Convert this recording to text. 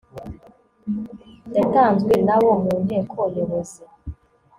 yatanzwe na wo mu nteko nyobozi